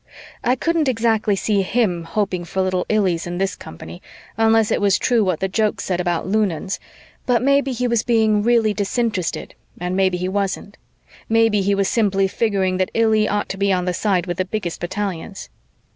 I couldn't exactly see him hoping for little Illies in this company, unless it was true what the jokes said about Lunans, but maybe he was being really disinterested and maybe he wasn't; maybe he was simply figuring that Illy ought to be on the side with the biggest battalions.